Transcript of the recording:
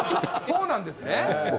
そうなんですね。